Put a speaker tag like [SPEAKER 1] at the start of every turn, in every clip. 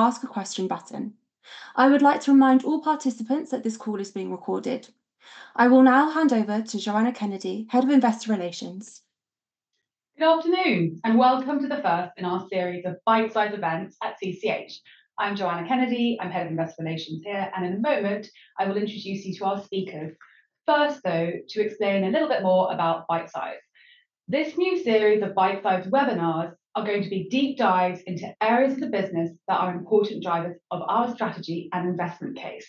[SPEAKER 1] Ask a question button. I would like to remind all participants that this call is being recorded. I will now hand over to Joanna Kennedy, Head of Investor Relations.
[SPEAKER 2] Good afternoon, and welcome to the first in our series of Bite Size events at CCH. I'm Joanna Kennedy, I'm head of Investor Relations here, and in a moment, I will introduce you to our speakers. First, though, to explain a little bit more about Bite Size. This new series of Bite Size webinars are going to be deep dives into areas of the business that are important drivers of our strategy and investment case,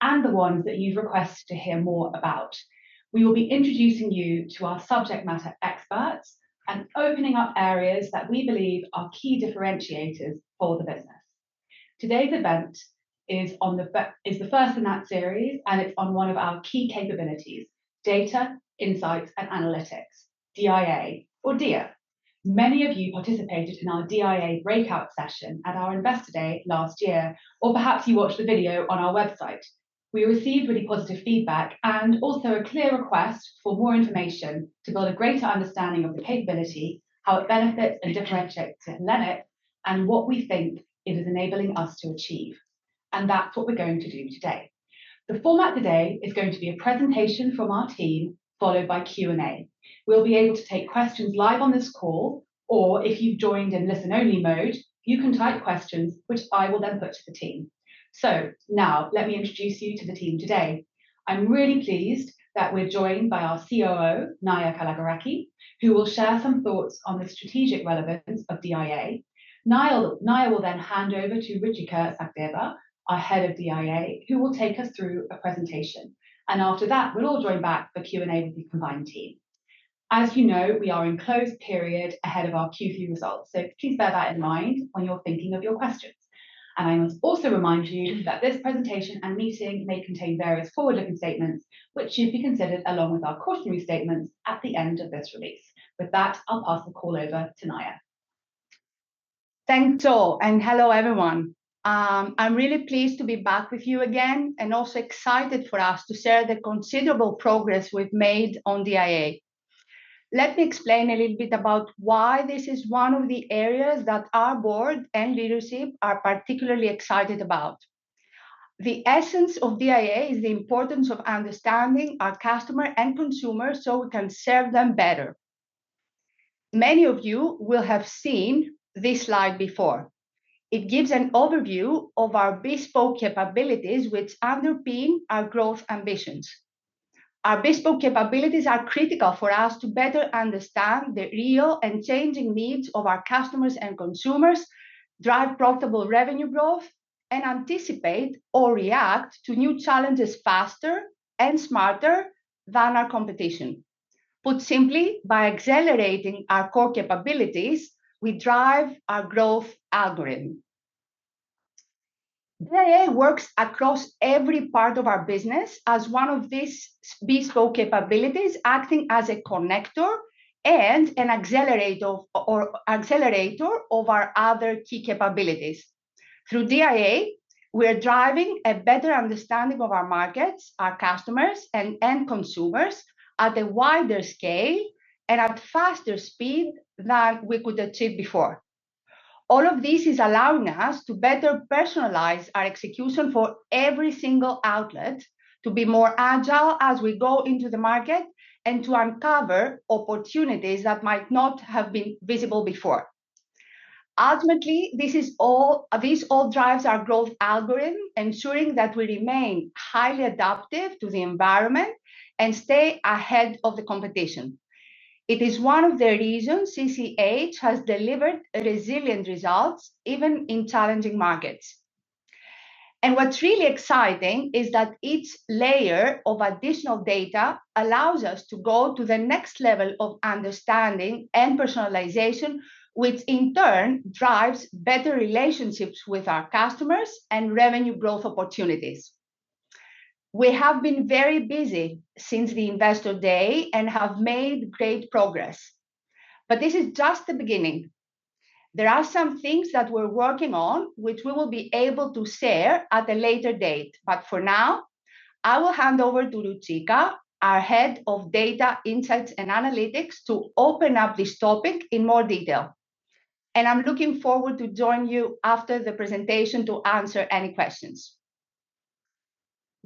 [SPEAKER 2] and the ones that you've requested to hear more about. We will be introducing you to our subject matter experts and opening up areas that we believe are key differentiators for the business. Today's event is the first in that series, and it's on one of our key capabilities: Data, Insights, and Analytics, D-I-A or DIA. Many of you participated in our DIA breakout session at our Investor Day last year, or perhaps you watched the video on our website. We received really positive feedback and also a clear request for more information to build a greater understanding of the capability, how it benefits and differentiates Hellenic, and what we think it is enabling us to achieve, and that's what we're going to do today. The format today is going to be a presentation from our team, followed by Q&A. We'll be able to take questions live on this call, or if you've joined in listen-only mode, you can type questions, which I will then put to the team. So now, let me introduce you to the team today. I'm really pleased that we're joined by our COO, Naya Kalogeraki, who will share some thoughts on the strategic relevance of DIA. Naya, Naya will then hand over to Ruchika Sachdeva, our Head of DIA, who will take us through a presentation, and after that, we'll all join back for Q&A with the combined team. As you know, we are in closed period ahead of our Q3 results, so please bear that in mind when you're thinking of your questions, and I must also remind you that this presentation and meeting may contain various forward-looking statements, which should be considered along with our cautionary statements at the end of this release. With that, I'll pass the call over to Naya.
[SPEAKER 3] Thanks, Jo, and hello, everyone. I'm really pleased to be back with you again, and also excited for us to share the considerable progress we've made on DIA. Let me explain a little bit about why this is one of the areas that our board and leadership are particularly excited about. The essence of DIA is the importance of understanding our customer and consumer, so we can serve them better. Many of you will have seen this slide before. It gives an overview of our bespoke capabilities, which underpin our growth ambitions. Our bespoke capabilities are critical for us to better understand the real and changing needs of our customers and consumers, drive profitable revenue growth, and anticipate or react to new challenges faster and smarter than our competition. Put simply, by accelerating our core capabilities, we drive our growth algorithm. DIA works across every part of our business as one of these bespoke capabilities, acting as a connector and an accelerator of our other key capabilities. Through DIA, we are driving a better understanding of our markets, our customers, and end consumers at a wider scale and at faster speed than we could achieve before. All of this is allowing us to better personalize our execution for every single outlet, to be more agile as we go into the market, and to uncover opportunities that might not have been visible before. Ultimately, this all drives our growth algorithm, ensuring that we remain highly adaptive to the environment and stay ahead of the competition. It is one of the reasons CCH has delivered resilient results, even in challenging markets. What's really exciting is that each layer of additional data allows us to go to the next level of understanding and personalization, which in turn drives better relationships with our customers and revenue growth opportunities. We have been very busy since the Investor Day and have made great progress, but this is just the beginning. There are some things that we're working on, which we will be able to share at a later date. But for now, I will hand over to Ruchika, our head of Data, Insights, and Analytics, to open up this topic in more detail, and I'm looking forward to join you after the presentation to answer any questions.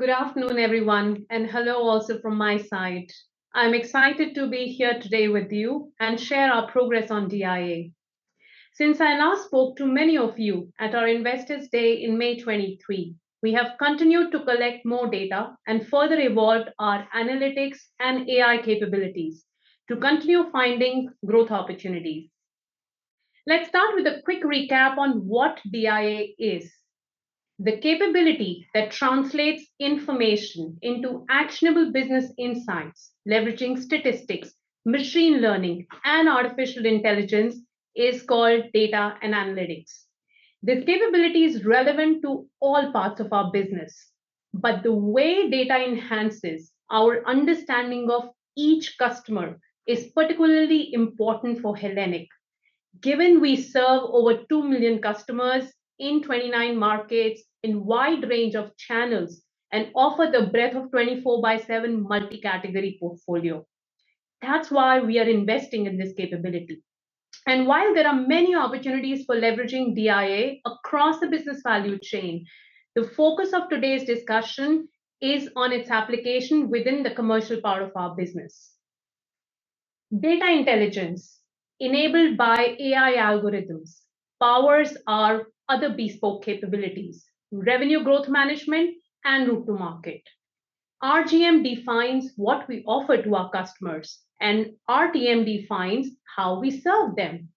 [SPEAKER 4] Good afternoon, everyone, and hello also from my side. I'm excited to be here today with you and share our progress on DIA. Since I last spoke to many of you at our Investors Day in May 2023, we have continued to collect more data and further evolved our analytics and AI capabilities to continue finding growth opportunities. Let's start with a quick recap on what DIA is. The capability that translates information into actionable business insights, leveraging statistics, machine learning, and artificial intelligence is called Data, Insights, and Analytics. This capability is relevant to all parts of our business, but the way data enhances our understanding of each customer is particularly important for Hellenic. Given we serve over two million customers in 29 markets, in a wide range of channels, and offer the breadth of 24/7 multi-category portfolio. That's why we are investing in this capability. While there are many opportunities for leveraging DIA across the business value chain, the focus of today's discussion is on its application within the commercial part of our business. Data intelligence, enabled by AI algorithms, powers our other bespoke capabilities: revenue growth management and route to market. RGM defines what we offer to our customers, and RTM defines how we serve them.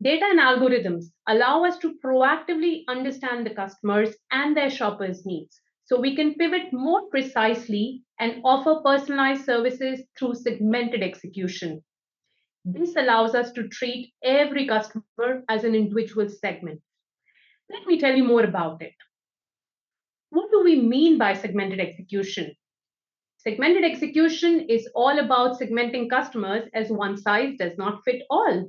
[SPEAKER 4] Data and algorithms allow us to proactively understand the customers and their shoppers' needs, so we can pivot more precisely and offer personalized services through segmented execution. This allows us to treat every customer as an individual segment. Let me tell you more about it. What do we mean by segmented execution? Segmented execution is all about segmenting customers, as one size does not fit all.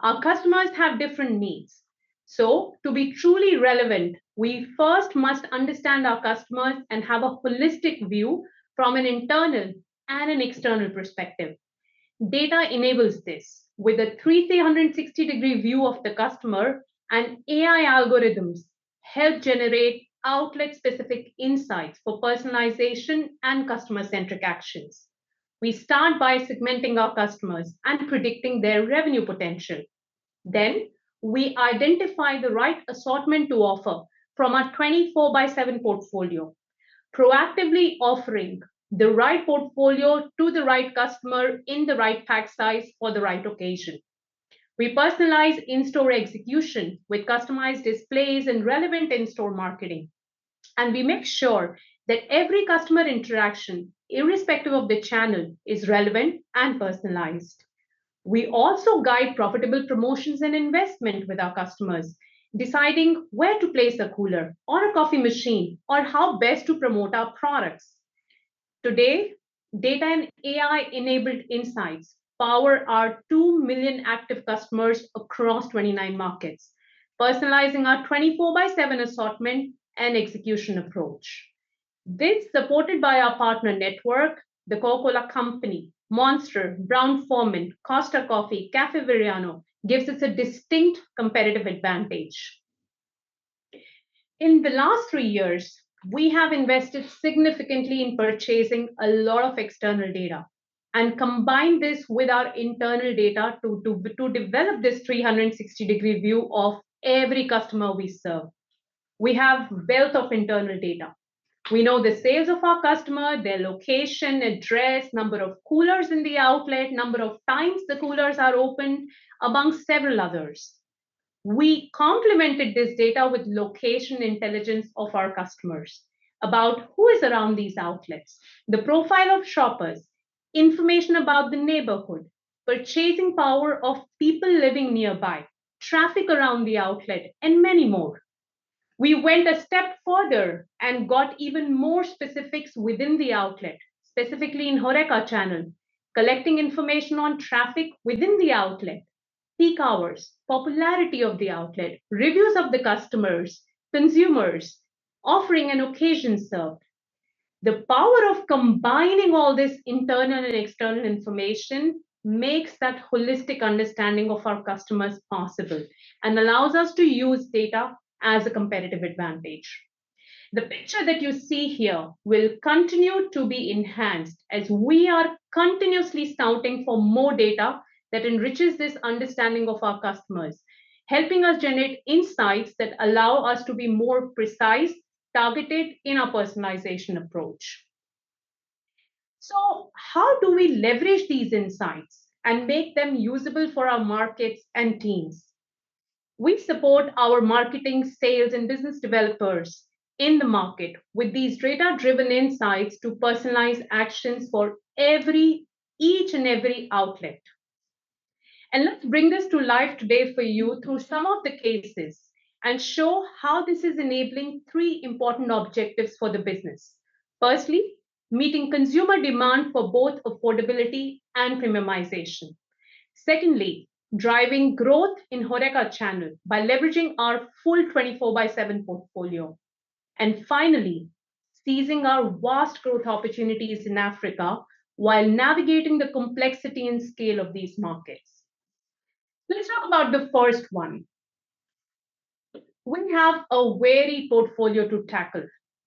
[SPEAKER 4] Our customers have different needs, so to be truly relevant, we first must understand our customers and have a holistic view from an internal and an external perspective. Data enables this with a 360-degree view of the customer, and AI algorithms help generate outlet-specific insights for personalization and customer-centric actions. We start by segmenting our customers and predicting their revenue potential. Then, we identify the right assortment to offer from our 24/7 portfolio, proactively offering the right portfolio to the right customer in the right pack size for the right location. We personalize in-store execution with customized displays and relevant in-store marketing, and we make sure that every customer interaction, irrespective of the channel, is relevant and personalized. We also guide profitable promotions and investment with our customers, deciding where to place a cooler or a coffee machine, or how best to promote our products. Today, data and AI-enabled insights power our two million active customers across 29 markets, personalizing our 24/7 assortment and execution approach. This, supported by our partner network, The Coca-Cola Company, Monster, Brown-Forman, Costa Coffee, Caffè Vergnano, gives us a distinct competitive advantage. In the last three years, we have invested significantly in purchasing a lot of external data, and combined this with our internal data to develop this 360-degree view of every customer we serve. We have wealth of internal data. We know the sales of our customer, their location, address, number of coolers in the outlet, number of times the coolers are opened, amongst several others. We complemented this data with location intelligence of our customers, about who is around these outlets, the profile of shoppers, information about the neighborhood, purchasing power of people living nearby, traffic around the outlet, and many more. We went a step further and got even more specifics within the outlet, specifically in HoReCa channel, collecting information on traffic within the outlet, peak hours, popularity of the outlet, reviews of the customers, consumers, offering and occasions served. The power of combining all this internal and external information makes that holistic understanding of our customers possible and allows us to use data as a competitive advantage. The picture that you see here will continue to be enhanced as we are continuously scouting for more data that enriches this understanding of our customers, helping us generate insights that allow us to be more precise, targeted in our personalization approach. So how do we leverage these insights and make them usable for our markets and teams? We support our marketing, sales, and business developers in the market with these data-driven insights to personalize actions for each and every outlet. And let's bring this to life today for you through some of the cases and show how this is enabling three important objectives for the business. Firstly, meeting consumer demand for both affordability and premiumization. Secondly, driving growth in HoReCa channel by leveraging our full 24/7 portfolio. And finally, seizing our vast growth opportunities in Africa while navigating the complexity and scale of these markets. Let's talk about the first one. We have a varied portfolio to tackle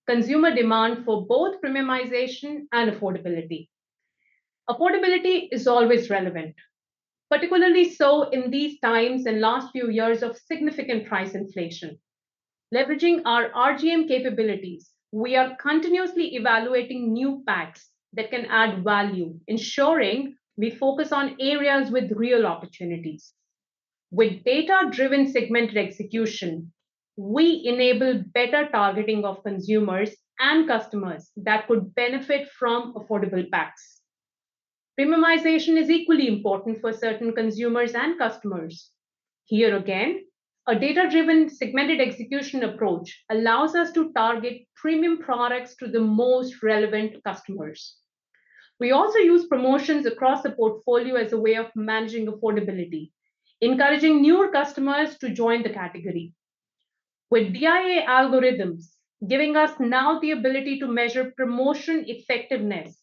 [SPEAKER 4] consumer demand for both premiumization and affordability. Affordability is always relevant, particularly so in these times and last few years of significant price inflation. Leveraging our RGM capabilities, we are continuously evaluating new packs that can add value, ensuring we focus on areas with real opportunities. With data-driven segmented execution, we enable better targeting of consumers and customers that would benefit from affordable packs. Premiumization is equally important for certain consumers and customers. Here again, a data-driven, segmented execution approach allows us to target premium products to the most relevant customers. We also use promotions across the portfolio as a way of managing affordability, encouraging newer customers to join the category. With DIA algorithms, giving us now the ability to measure promotion effectiveness,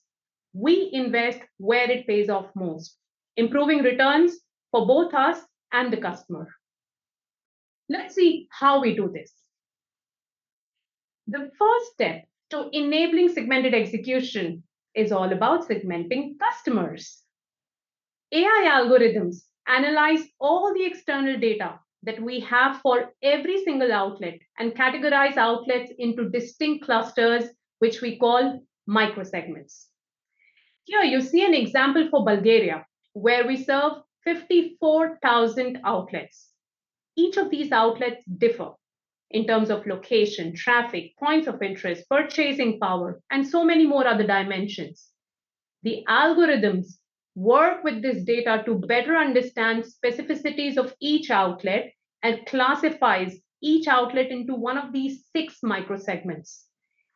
[SPEAKER 4] we invest where it pays off most, improving returns for both us and the customer. Let's see how we do this. The first step to enabling segmented execution is all about segmenting customers. AI algorithms analyze all the external data that we have for every single outlet and categorize outlets into distinct clusters, which we call microsegments. Here, you see an example for Bulgaria, where we serve 54,000 outlets. Each of these outlets differ in terms of location, traffic, points of interest, purchasing power, and so many more other dimensions. The algorithms work with this data to better understand specificities of each outlet and classifies each outlet into one of these six microsegments,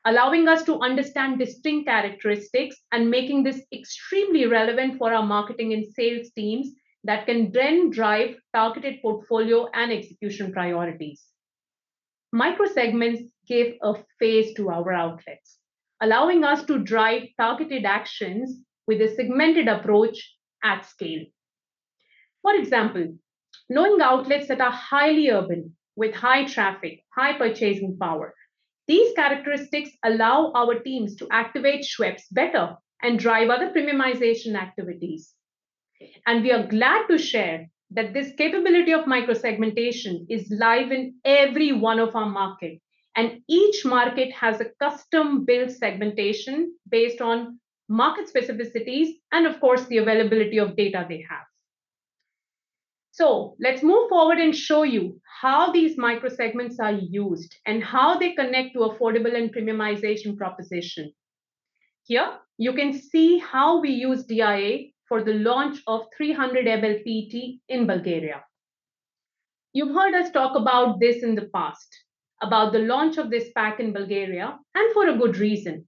[SPEAKER 4] allowing us to understand distinct characteristics and making this extremely relevant for our marketing and sales teams, that can then drive targeted portfolio and execution priorities. Microsegments give a face to our outlets, allowing us to drive targeted actions with a segmented approach at scale. For example, knowing the outlets that are highly urban, with high traffic, high purchasing power, these characteristics allow our teams to activate Schweppes better and drive other premiumization activities. And we are glad to share that this capability of microsegmentation is live in every one of our market, and each market has a custom-built segmentation based on market specificities and, of course, the availability of data they have. So let's move forward and show you how these microsegments are used and how they connect to affordable and premiumization proposition. Here, you can see how we use DIA for the launch of 300 ml PET in Bulgaria. You've heard us talk about this in the past, about the launch of this pack in Bulgaria, and for a good reason.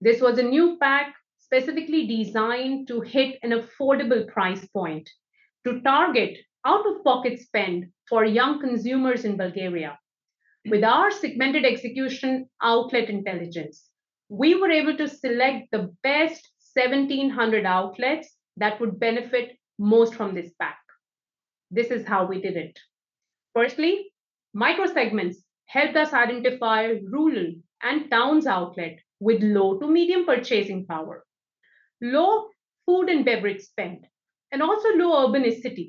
[SPEAKER 4] This was a new pack specifically designed to hit an affordable price point, to target out-of-pocket spend for young consumers in Bulgaria. With our segmented execution outlet intelligence, we were able to select the best seventeen hundred outlets that would benefit most from this pack. This is how we did it. Firstly, microsegments helped us identify rural and town outlets with low to medium purchasing power, low food and beverage spend, and also low urbanicity,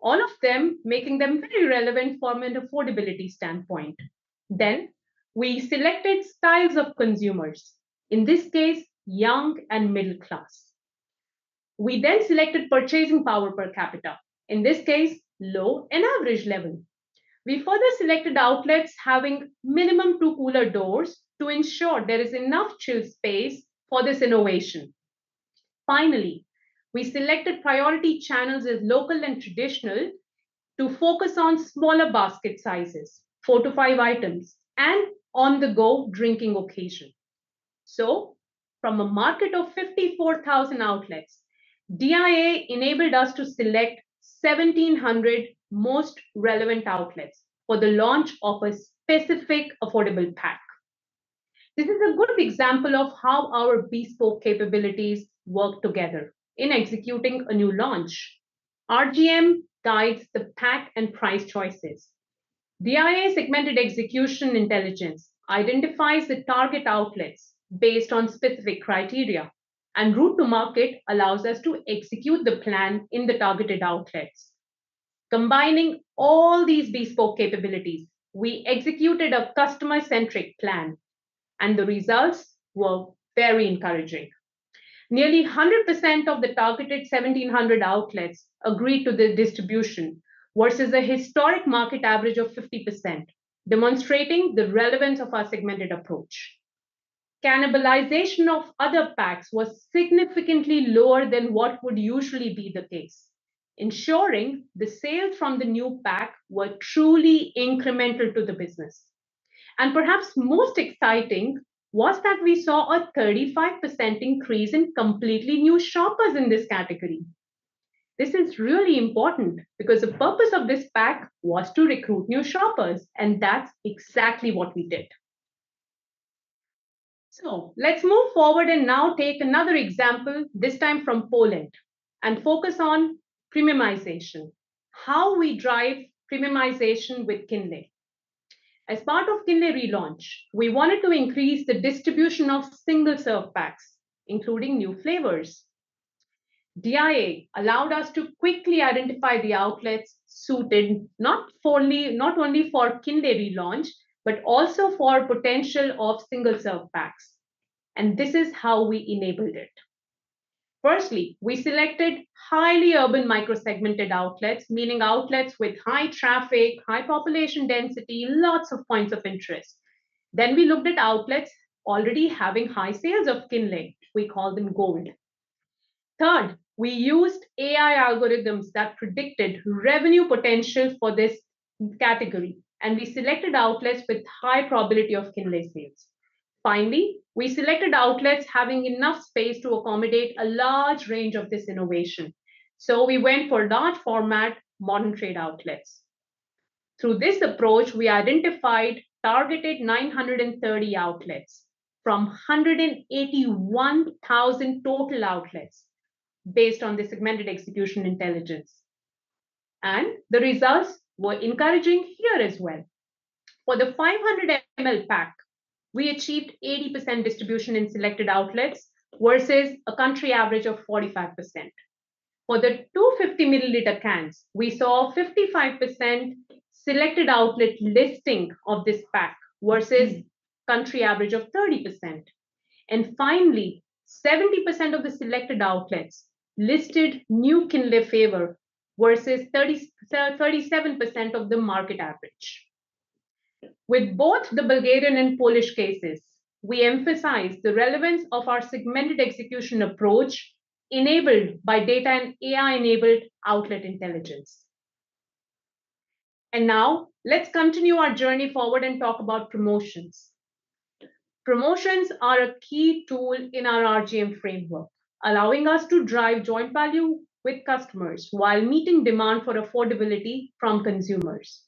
[SPEAKER 4] all of them making them pretty relevant from an affordability standpoint. Then, we selected styles of consumers, in this case, young and middle class. We then selected purchasing power per capita, in this case, low and average level. We further selected outlets having minimum two cooler doors to ensure there is enough chilled space for this innovation. Finally, we selected priority channels as local and traditional to focus on smaller basket sizes, four to five items, and on-the-go drinking occasion. So from a market of 54,000 outlets, DIA enabled us to select 1,700 most relevant outlets for the launch of a specific affordable pack. This is a good example of how our bespoke capabilities work together in executing a new launch. RGM guides the pack and price choices. DIA segmented execution intelligence identifies the target outlets based on specific criteria, and route to market allows us to execute the plan in the targeted outlets. Combining all these bespoke capabilities, we executed a customer-centric plan, and the results were very encouraging. Nearly 100% of the targeted 1,700 outlets agreed to the distribution, versus a historic market average of 50%, demonstrating the relevance of our segmented approach. Cannibalization of other packs was significantly lower than what would usually be the case, ensuring the sales from the new pack were truly incremental to the business. And perhaps most exciting was that we saw a 35% increase in completely new shoppers in this category. This is really important, because the purpose of this pack was to recruit new shoppers, and that's exactly what we did. So let's move forward and now take another example, this time from Poland, and focus on premiumization. How we drive premiumization with Kinley. As part of Kinley relaunch, we wanted to increase the distribution of single-serve packs, including new flavors. DIA allowed us to quickly identify the outlets suited not only for Kinley relaunch, but also for potential of single-serve packs. And this is how we enabled it. Firstly, we selected highly urban microsegmented outlets, meaning outlets with high traffic, high population density, lots of points of interest. Then we looked at outlets already having high sales of Kinley. We call them gold. Third, we used AI algorithms that predicted revenue potential for this category, and we selected outlets with high probability of Kinley sales. Finally, we selected outlets having enough space to accommodate a large range of this innovation. So we went for large format modern trade outlets. Through this approach, we identified targeted 930 outlets from 181,000 total outlets, based on the segmented execution intelligence, and the results were encouraging here as well. For the 500 ml pack, we achieved 80% distribution in selected outlets, versus a country average of 45%. For the 250 ml cans, we saw 55% selected outlet listing of this pack, versus country average of 30%. And finally, 70% of the selected outlets listed new Kinley flavor, versus thirty-seven percent of the market average. With both the Bulgarian and Polish cases, we emphasize the relevance of our segmented execution approach, enabled by data and AI-enabled outlet intelligence. And now, let's continue our journey forward and talk about promotions. Promotions are a key tool in our RGM framework, allowing us to drive joint value with customers while meeting demand for affordability from consumers.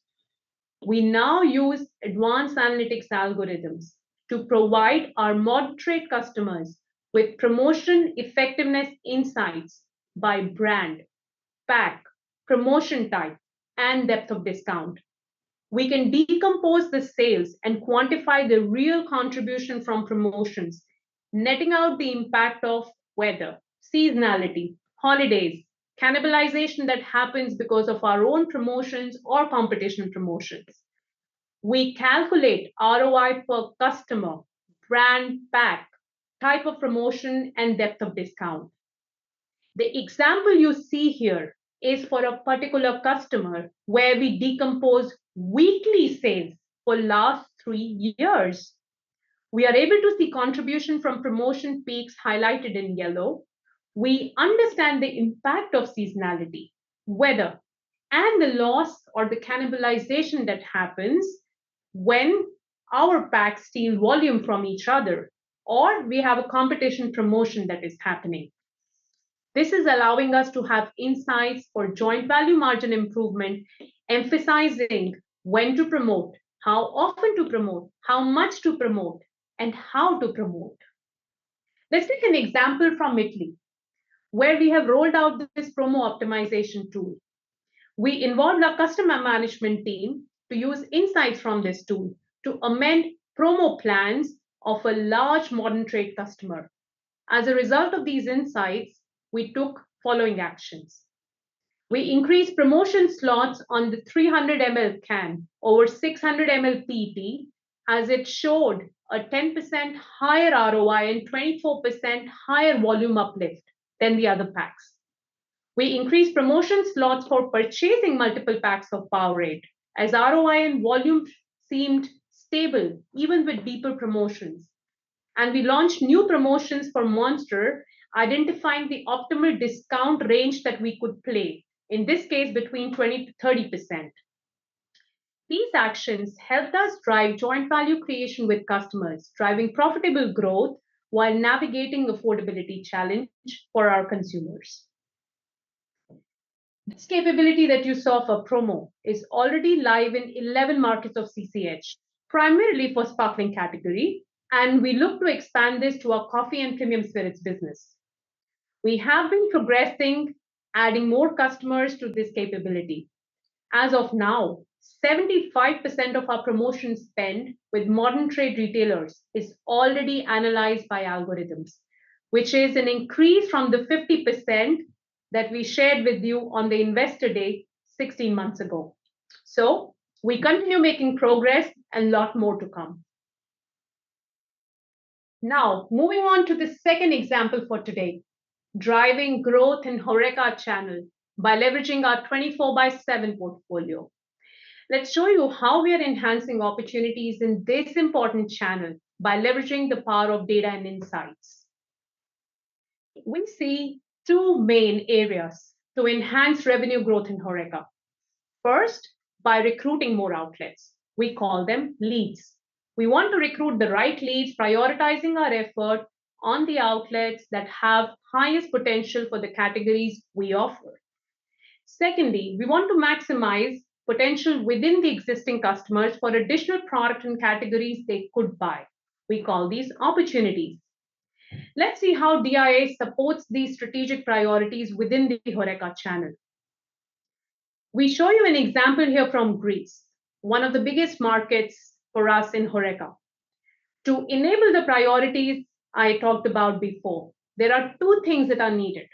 [SPEAKER 4] We now use advanced analytics algorithms to provide our modern trade customers with promotion effectiveness insights by brand, pack, promotion type, and depth of discount. We can decompose the sales and quantify the real contribution from promotions, netting out the impact of weather, seasonality, holidays, cannibalization that happens because of our own promotions or competition promotions. We calculate ROI per customer, brand, pack, type of promotion, and depth of discount. The example you see here is for a particular customer, where we decompose weekly sales for last three years. We are able to see contribution from promotion peaks highlighted in yellow. We understand the impact of seasonality, weather, and the loss or the cannibalization that happens when our packs steal volume from each other, or we have a competition promotion that is happening. This is allowing us to have insights for joint value margin improvement, emphasizing when to promote, how often to promote, how much to promote, and how to promote. Let's take an example from Italy, where we have rolled out this promo optimization tool. We involved our customer management team to use insights from this tool to amend promo plans of a large modern trade customer. As a result of these insights, we took following actions. We increased promotion slots on the 300 ml can over 600 ml PP, as it showed a 10% higher ROI and 24% higher volume uplift than the other packs. We increased promotion slots for purchasing multiple packs of Powerade, as ROI and volume seemed stable, even with deeper promotions. And we launched new promotions for Monster, identifying the optimal discount range that we could play, in this case, between 20%-30%. These actions helped us drive joint value creation with customers, driving profitable growth while navigating affordability challenge for our consumers. This capability that you saw for promo is already live in eleven markets of CCH, primarily for sparkling category, and we look to expand this to our coffee and premium spirits business. We have been progressing, adding more customers to this capability. As of now, 75% of our promotion spend with modern trade retailers is already analyzed by algorithms, which is an increase from the 50% that we shared with you on the investor day sixteen months ago, so we continue making progress, a lot more to come. Now, moving on to the second example for today, driving growth in HoReCa channel by leveraging our twenty-four by seven portfolio. Let's show you how we are enhancing opportunities in this important channel by leveraging the power of data and insights. We see two main areas to enhance revenue growth in HoReCa. First, by recruiting more outlets. We call them leads. We want to recruit the right leads, prioritizing our effort on the outlets that have highest potential for the categories we offer. Secondly, we want to maximize potential within the existing customers for additional product and categories they could buy. We call these opportunities. Let's see how DIA supports these strategic priorities within the HoReCa channel. We show you an example here from Greece, one of the biggest markets for us in HoReCa. To enable the priorities I talked about before, there are two things that are needed: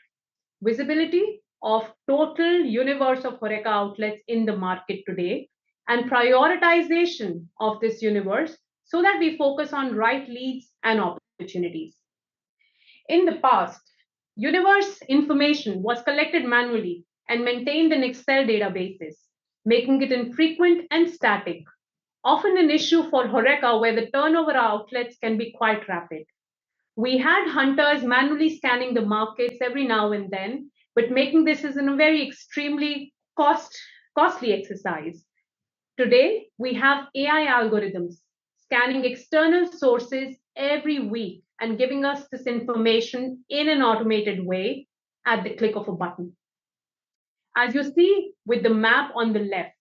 [SPEAKER 4] visibility of total universe of HoReCa outlets in the market today, and prioritization of this universe so that we focus on right leads and opportunities. In the past, universe information was collected manually and maintained in Excel databases, making it infrequent and static, often an issue for HoReCa, where the turnover outlets can be quite rapid. We had hunters manually scanning the markets every now and then, but making this is a very extremely costly exercise. Today, we have AI algorithms scanning external sources every week and giving us this information in an automated way at the click of a button. As you see with the map on the left,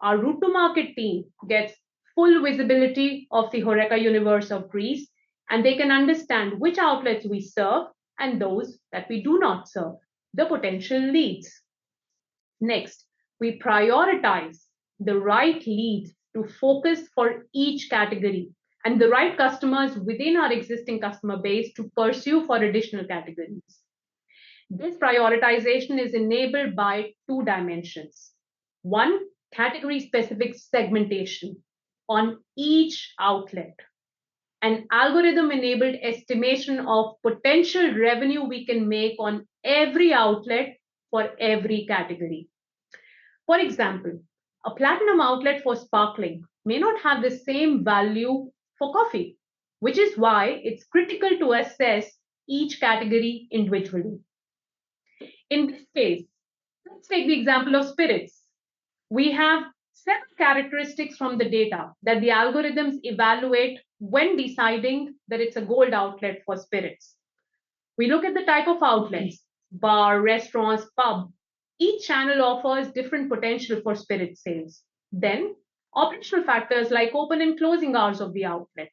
[SPEAKER 4] our route to market team gets full visibility of the HoReCa universe of Greece, and they can understand which outlets we serve and those that we do not serve, the potential leads. Next, we prioritize the right leads to focus for each category and the right customers within our existing customer base to pursue for additional categories. This prioritization is enabled by two dimensions: one, category-specific segmentation on each outlet, and algorithm-enabled estimation of potential revenue we can make on every outlet for every category. For example, a platinum outlet for sparkling may not have the same value for coffee, which is why it's critical to assess each category individually. In this case, let's take the example of spirits. We have set characteristics from the data that the algorithms evaluate when deciding that it's a gold outlet for spirits. We look at the type of outlets, bar, restaurants, pub. Each channel offers different potential for spirit sales. Then, operational factors like open and closing hours of the outlet.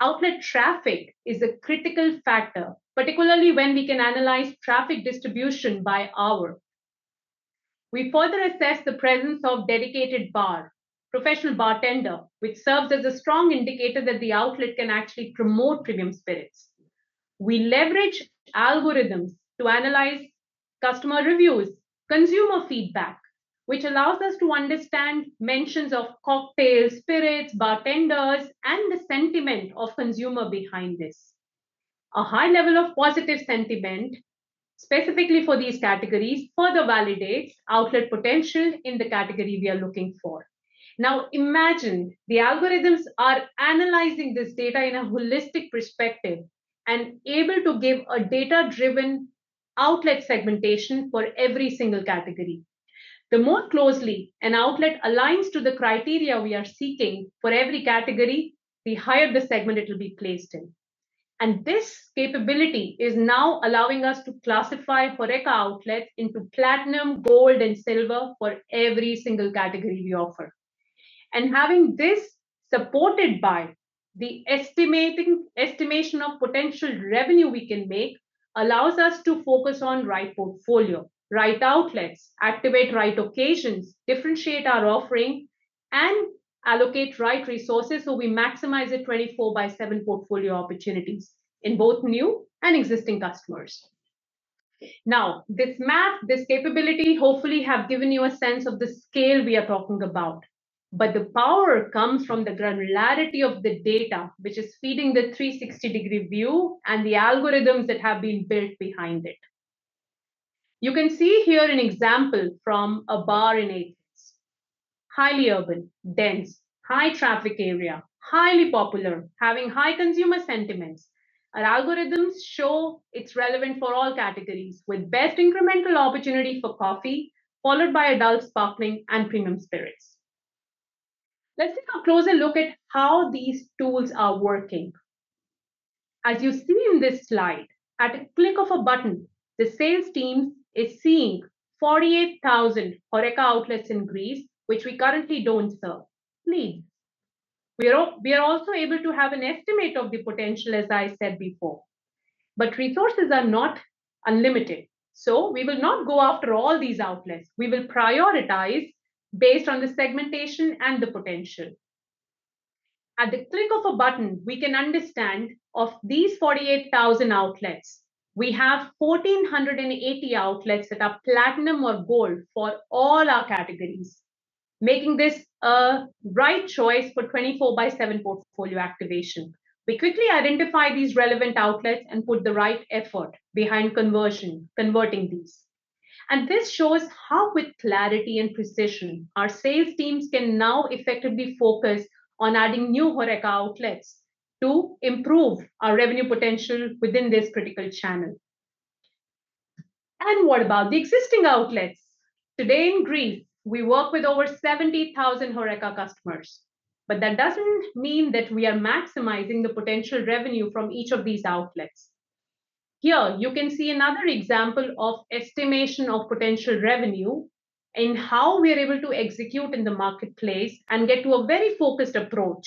[SPEAKER 4] Outlet traffic is a critical factor, particularly when we can analyze traffic distribution by hour. We further assess the presence of dedicated bar, professional bartender, which serves as a strong indicator that the outlet can actually promote premium spirits. We leverage algorithms to analyze customer reviews, consumer feedback, which allows us to understand mentions of cocktails, spirits, bartenders, and the sentiment of consumer behind this. A high level of positive sentiment, specifically for these categories, further validates outlet potential in the category we are looking for. Now, imagine the algorithms are analyzing this data in a holistic perspective and able to give a data-driven outlet segmentation for every single category. The more closely an outlet aligns to the criteria we are seeking for every category, the higher the segment it will be placed in, and this capability is now allowing us to classify HoReCa outlets into platinum, gold, and silver for every single category we offer. And having this supported by the estimation of potential revenue we can make allows us to focus on right portfolio, right outlets, activate right occasions, differentiate our offering, and allocate right resources, so we maximize the twenty-four by seven portfolio opportunities in both new and existing customers. Now, this math, this capability, hopefully have given you a sense of the scale we are talking about, but the power comes from the granularity of the data, which is feeding the three sixty degree view and the algorithms that have been built behind it. You can see here an example from a bar in Athens, highly urban, dense, high traffic area, highly popular, having high consumer sentiments. Our algorithms show it's relevant for all categories, with best incremental opportunity for coffee, followed by adult sparkling and premium spirits. Let's take a closer look at how these tools are working. As you see in this slide, at a click of a button, the sales team is seeing 48,000 HoReCa outlets in Greece, which we currently don't serve, please. We are also able to have an estimate of the potential, as I said before, but resources are not unlimited, so we will not go after all these outlets. We will prioritize based on the segmentation and the potential. At the click of a button, we can understand, of these 48,000 outlets, we have 1,480 outlets that are platinum or gold for all our categories, making this a right choice for twenty-four by seven portfolio activation. We quickly identify these relevant outlets and put the right effort behind conversion, converting these, and this shows how, with clarity and precision, our sales teams can now effectively focus on adding new HoReCa outlets to improve our revenue potential within this critical channel, and what about the existing outlets? Today in Greece, we work with over 70,000 HoReCa customers, but that doesn't mean that we are maximizing the potential revenue from each of these outlets. Here you can see another example of estimation of potential revenue and how we are able to execute in the marketplace and get to a very focused approach,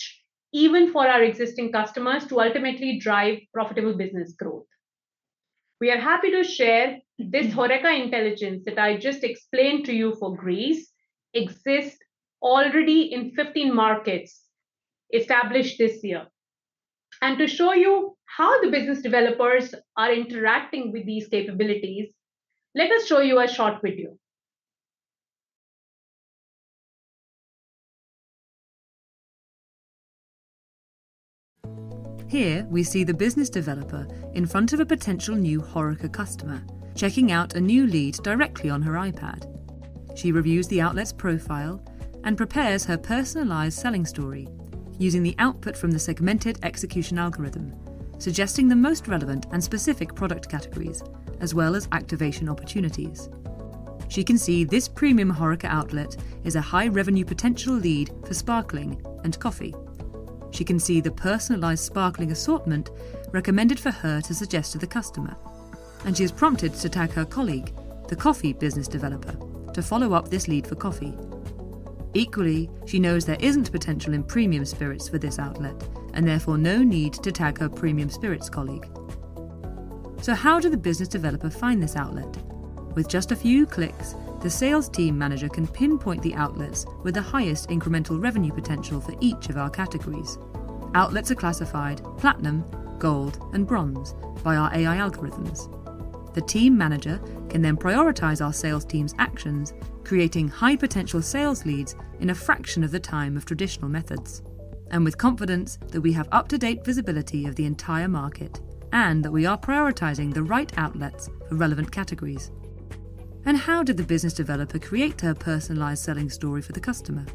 [SPEAKER 4] even for our existing customers, to ultimately drive profitable business growth. We are happy to share this HoReCa intelligence, that I just explained to you for Greece, exists already in 15 markets established this year, and to show you how the business developers are interacting with these capabilities, let us show you a short video.
[SPEAKER 5] Here we see the business developer in front of a potential new HoReCa customer, checking out a new lead directly on her iPad. She reviews the outlet's profile and prepares her personalized selling story using the output from the segmented execution algorithm, suggesting the most relevant and specific product categories, as well as activation opportunities. She can see this premium HoReCa outlet is a high revenue potential lead for sparkling and coffee. She can see the personalized sparkling assortment recommended for her to suggest to the customer, and she is prompted to tag her colleague, the coffee business developer, to follow up this lead for coffee. Equally, she knows there isn't potential in premium spirits for this outlet, and therefore no need to tag her premium spirits colleague. So how did the business developer find this outlet? With just a few clicks, the sales team manager can pinpoint the outlets with the highest incremental revenue potential for each of our categories. Outlets are classified platinum, gold, and bronze by our AI algorithms. The team manager can then prioritize our sales team's actions, creating high-potential sales leads in a fraction of the time of traditional methods, and with confidence that we have up-to-date visibility of the entire market, and that we are prioritizing the right outlets for relevant categories. And how did the business developer create her personalized selling story for the customer?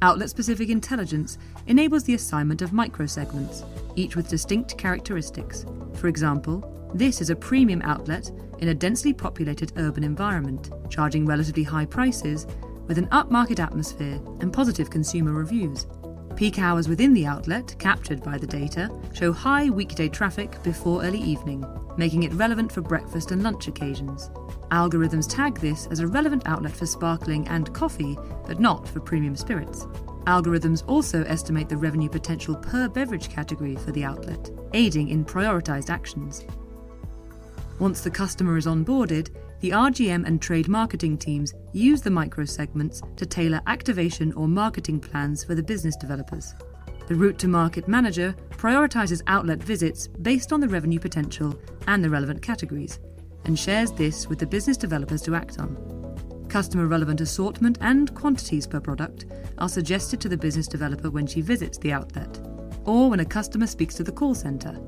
[SPEAKER 5] Outlet-specific intelligence enables the assignment of micro segments, each with distinct characteristics. For example, this is a premium outlet in a densely populated urban environment, charging relatively high prices with an upmarket atmosphere and positive consumer reviews. Peak hours within the outlet, captured by the data, show high weekday traffic before early evening, making it relevant for breakfast and lunch occasions. Algorithms tag this as a relevant outlet for sparkling and coffee, but not for Premium Spirits. Algorithms also estimate the revenue potential per beverage category for the outlet, aiding in prioritized actions. Once the customer is onboarded, the RGM and trade marketing teams use the microsegments to tailor activation or marketing plans for the business developers. The Route to Market manager prioritizes outlet visits based on the revenue potential and the relevant categories and shares this with the business developers to act on. Customer-relevant assortment and quantities per product are suggested to the business developer when she visits the outlet, or when a customer speaks to the call center,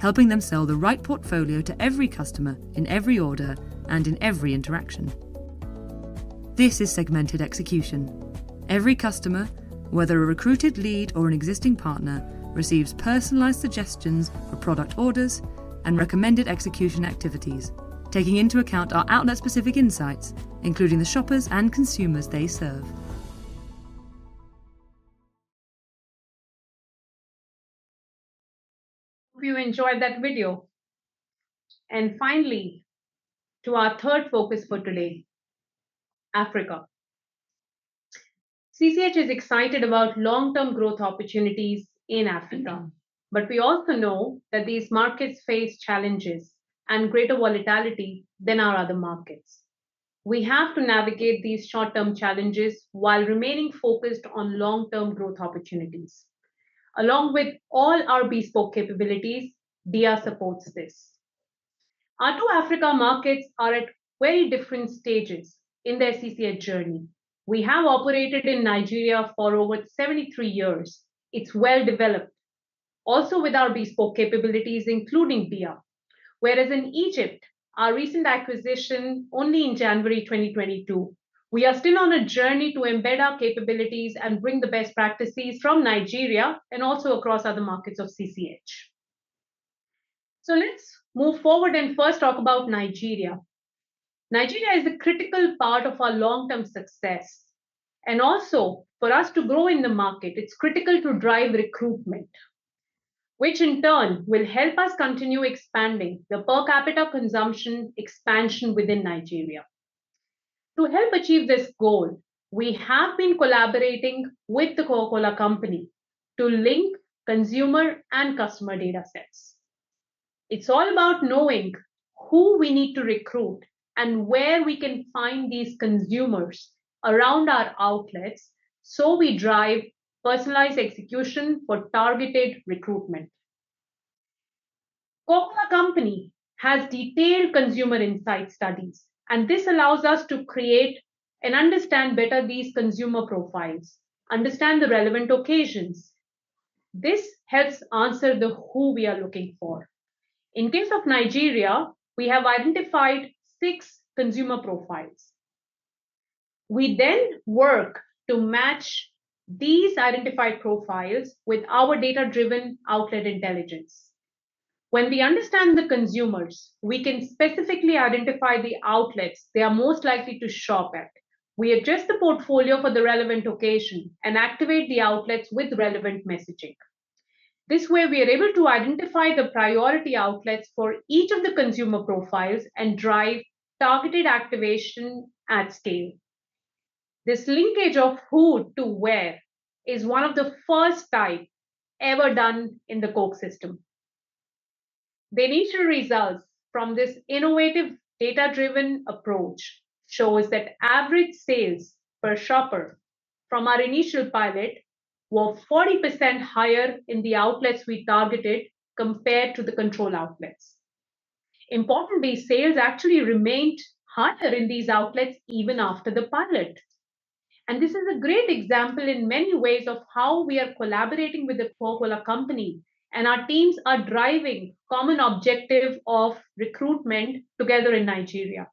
[SPEAKER 5] helping them sell the right portfolio to every customer in every order and in every interaction. This is Segmented Execution. Every customer, whether a recruited lead or an existing partner, receives personalized suggestions for product orders and recommended execution activities, taking into account our outlet-specific insights, including the shoppers and consumers they serve.
[SPEAKER 4] Hope you enjoyed that video. And finally, to our third focus for today, Africa. CCH is excited about long-term growth opportunities in Africa, but we also know that these markets face challenges and greater volatility than our other markets. We have to navigate these short-term challenges while remaining focused on long-term growth opportunities. Along with all our bespoke capabilities, DIA supports this. Our two Africa markets are at very different stages in their CCH journey. We have operated in Nigeria for over 73 years. It's well developed, also with our bespoke capabilities, including DIA. Whereas in Egypt, our recent acquisition, only in January 2022, we are still on a journey to embed our capabilities and bring the best practices from Nigeria and also across other markets of CCH. So let's move forward and first talk about Nigeria. Nigeria is a critical part of our long-term success, and also for us to grow in the market, it's critical to drive recruitment, which in turn will help us continue expanding the per capita consumption expansion within Nigeria. To help achieve this goal, we have been collaborating with the Coca-Cola Company to link consumer and customer data sets. It's all about knowing who we need to recruit and where we can find these consumers around our outlets, so we drive personalized execution for targeted recruitment. Coca-Cola Company has detailed consumer insight studies, and this allows us to create and understand better these consumer profiles, understand the relevant occasions. This helps answer the who we are looking for. In case of Nigeria, we have identified six consumer profiles. We then work to match these identified profiles with our data-driven outlet intelligence. When we understand the consumers, we can specifically identify the outlets they are most likely to shop at. We adjust the portfolio for the relevant location and activate the outlets with relevant messaging. This way, we are able to identify the priority outlets for each of the consumer profiles and drive targeted activation at scale. This linkage of who to where is one of the first type ever done in the Coke system. The initial results from this innovative data-driven approach shows that average sales per shopper from our initial pilot were 40% higher in the outlets we targeted compared to the control outlets. Importantly, sales actually remained higher in these outlets even after the pilot, and this is a great example in many ways of how we are collaborating with the Coca-Cola Company, and our teams are driving common objective of recruitment together in Nigeria.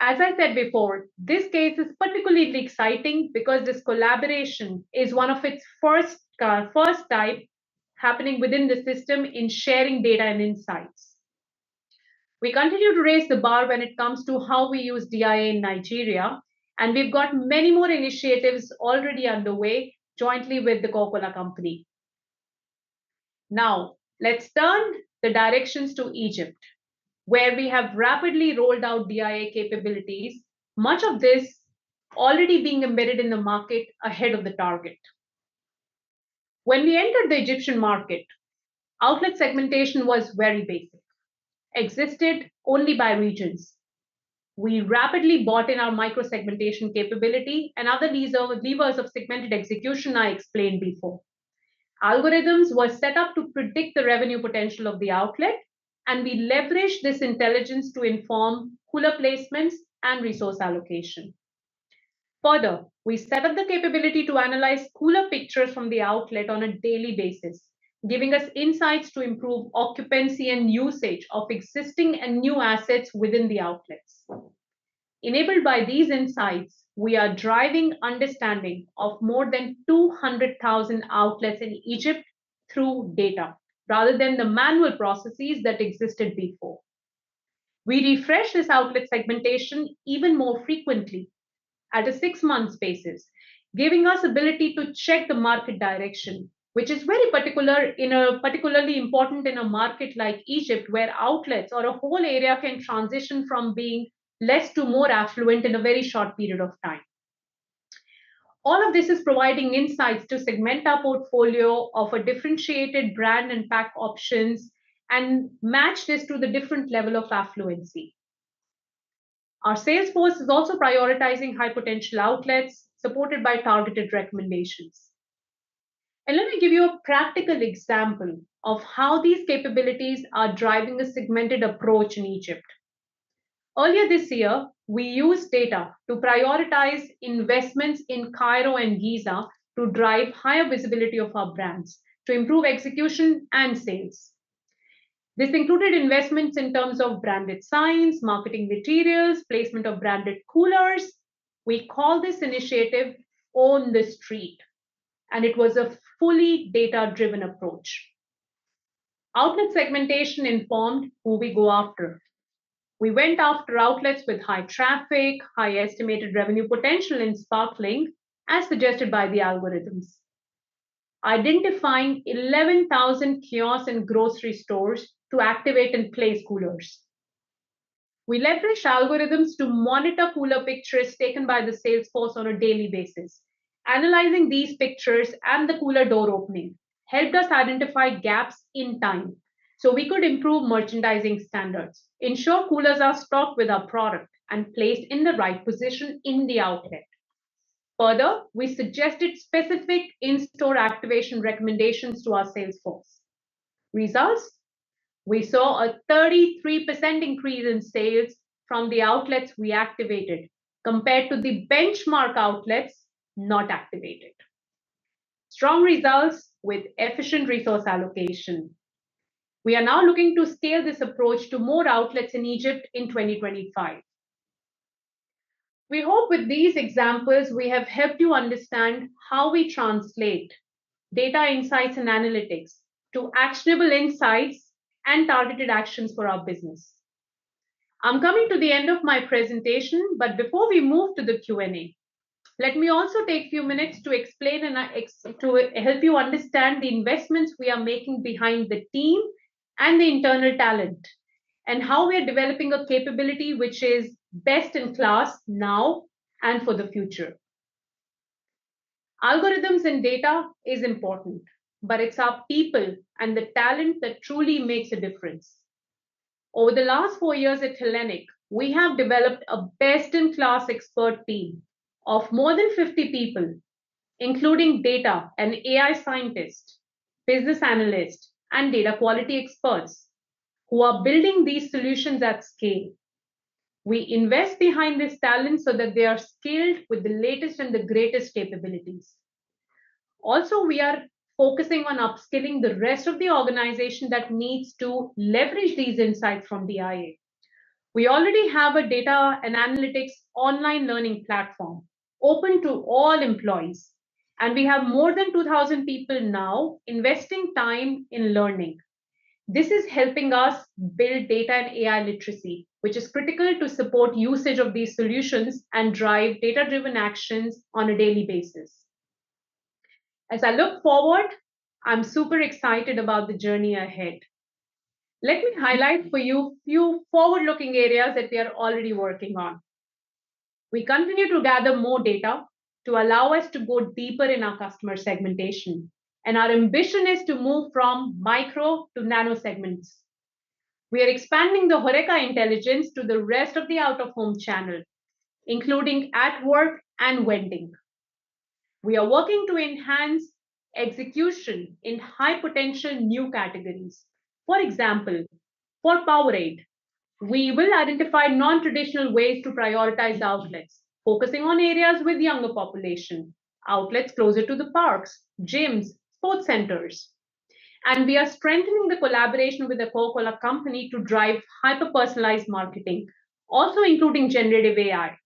[SPEAKER 4] As I said before, this case is particularly exciting because this collaboration is one of its first, first type happening within the system in sharing data and insights. We continue to raise the bar when it comes to how we use DIA in Nigeria, and we've got many more initiatives already underway jointly with the Coca-Cola Company. Now, let's turn the directions to Egypt, where we have rapidly rolled out DIA capabilities, much of this already being embedded in the market ahead of the target. When we entered the Egyptian market, outlet segmentation was very basic, existed only by regions. We rapidly brought in our micro-segmentation capability and other these levers of segmented execution I explained before. Algorithms were set up to predict the revenue potential of the outlet, and we leveraged this intelligence to inform cooler placements and resource allocation. Further, we set up the capability to analyze cooler pictures from the outlet on a daily basis, giving us insights to improve occupancy and usage of existing and new assets within the outlets. Enabled by these insights, we are driving understanding of more than two hundred thousand outlets in Egypt through data, rather than the manual processes that existed before. We refresh this outlet segmentation even more frequently, at a six-month basis, giving us ability to check the market direction, which is very particular, you know, particularly important in a market like Egypt, where outlets or a whole area can transition from being less to more affluent in a very short period of time. All of this is providing insights to segment our portfolio of a differentiated brand and pack options and match this to the different level of affluency. Our sales force is also prioritizing high-potential outlets, supported by targeted recommendations, and let me give you a practical example of how these capabilities are driving a segmented approach in Egypt. Earlier this year, we used data to prioritize investments in Cairo and Giza to drive higher visibility of our brands, to improve execution and sales. This included investments in terms of branded signs, marketing materials, placement of branded coolers. We call this initiative Own the Street, and it was a fully data-driven approach. Outlet segmentation informed who we go after. We went after outlets with high traffic, high estimated revenue potential in sparkling, as suggested by the algorithms, identifying 11,000 kiosks and grocery stores to activate and place coolers. We leveraged algorithms to monitor cooler pictures taken by the sales force on a daily basis. Analyzing these pictures and the cooler door opening helped us identify gaps in time, so we could improve merchandising standards, ensure coolers are stocked with our product, and placed in the right position in the outlet. Further, we suggested specific in-store activation recommendations to our sales force. Results? We saw a 33% increase in sales from the outlets we activated, compared to the benchmark outlets not activated. Strong results with efficient resource allocation. We are now looking to scale this approach to more outlets in Egypt in 2025. We hope with these examples, we have helped you understand how we translate data insights and analytics to actionable insights and targeted actions for our business. I'm coming to the end of my presentation, but before we move to the Q&A, let me also take a few minutes to explain and ex... to help you understand the investments we are making behind the team and the internal talent, and how we are developing a capability which is best in class now and for the future. Algorithms and data is important, but it's our people and the talent that truly makes a difference. Over the last four years at Hellenic, we have developed a best-in-class expert team of more than 50 people, including data and AI scientists, business analysts, and data quality experts, who are building these solutions at scale. We invest behind this talent so that they are skilled with the latest and the greatest capabilities. Also, we are focusing on upskilling the rest of the organization that needs to leverage these insights from DIA. We already have a data and analytics online learning platform open to all employees, and we have more than 2,000 people now investing time in learning. This is helping us build data and AI literacy, which is critical to support usage of these solutions and drive data-driven actions on a daily basis. As I look forward, I'm super excited about the journey ahead. Let me highlight for you a few forward-looking areas that we are already working on. We continue to gather more data to allow us to go deeper in our customer segmentation, and our ambition is to move from micro to nano segments. We are expanding the HoReCa intelligence to the rest of the out-of-home channel, including at work and vending... We are working to enhance execution in high-potential new categories. For example, for Powerade, we will identify non-traditional ways to prioritize outlets, focusing on areas with younger population, outlets closer to the parks, gyms, sports centers. We are strengthening the collaboration with the Coca-Cola Company to drive hyper-personalized marketing, also including generative AI,